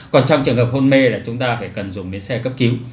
còn trong trường hợp hôn mê là chúng ta phải cần dùng đến xe cấp cứu